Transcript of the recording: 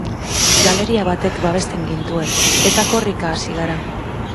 Galeria batek babesten gintuen, eta korrika hasi gara.